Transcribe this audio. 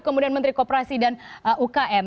kemudian menteri kooperasi dan ukm